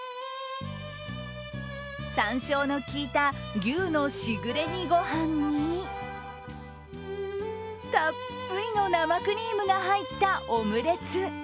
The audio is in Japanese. さんしょうの効いた牛のしぐれ煮ごはんに、たっぷりの生クリームが入ったオムレツ。